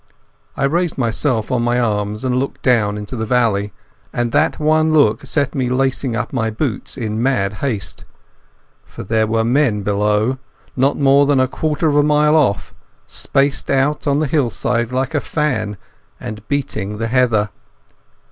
I raised myself on my arms and looked down into the valley, and that one look set me lacing up my boots in mad haste. For there were men below, not more than a quarter of a mile off, spaced out on the hillside like a fan, and beating the heather.